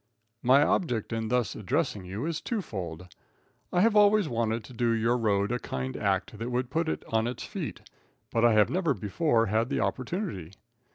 My object in thus addressing you is two fold. I have always wanted to do your road a kind act that would put it on its feet, but I have never before had the opportunity.